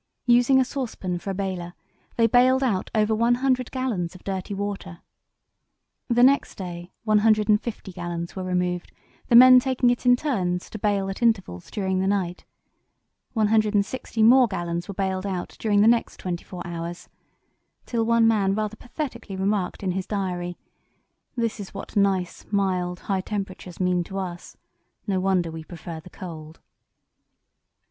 Using a saucepan for a baler, they baled out over 100 gallons of dirty water. The next day 150 gallons were removed, the men taking it in turns to bale at intervals during the night; 160 more gallons were baled out during the next twenty four hours, till one man rather pathetically remarked in his diary, "This is what nice, mild, high temperatures mean to us: no wonder we prefer the cold."